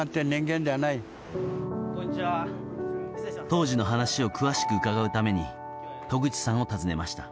当時の話を詳しく伺うために渡口さんを訪ねました。